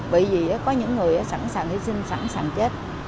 bởi vì có những người sẵn sàng hy sinh sẵn sàng chết